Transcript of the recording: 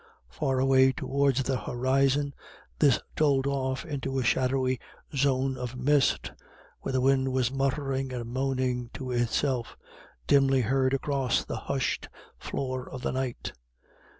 Far away towards the horizon this dulled off into a shadowy zone of mist, where the wind was muttering and moaning to itself, dimly heard across the hushed floor of the night.